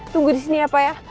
tunggu disini ya pak ya